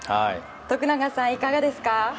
徳永さん、いかがですか？